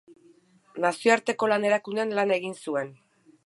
Nazioarteko Lan Erakundean lan egin zuen.